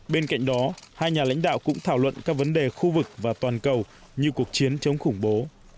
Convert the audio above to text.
bên cạnh đó hai nhà lãnh đạo cũng thảo luận các vấn đề khu vực và toàn cầu như cuộc chiến chống khủng bố